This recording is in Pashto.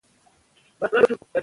ادارې باید خپلواکه کار وکړي